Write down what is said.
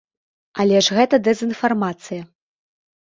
Але ж гэта дэзынфармацыя.